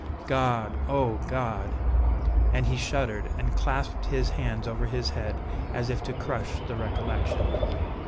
God! oh! God!" and he shuddered and clasped his hands over his head as if to crush the recollection.